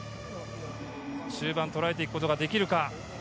中盤、とらえていくことができるか。